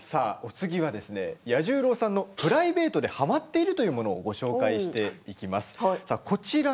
お次は彌十郎さんのプライベートではまっているというものをご紹介していきます。